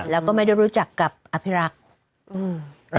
แล้วก็ไม่ได้รู้จักกับอภิรักษ์